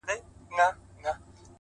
• ویل وایه د عمرونو جادوګره,